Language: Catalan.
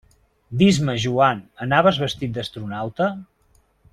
Dis-me, Joan, anaves vestit d'astronauta?